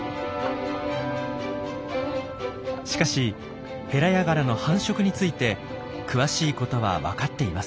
しかしヘラヤガラの繁殖について詳しいことはわかっていません。